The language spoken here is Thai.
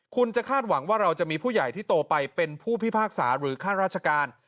คุณจะคาดหวังว่าเราจะมีผู้ใหญ่ที่โตไปเป็นผู้พิพากษาหรือข้าราชการ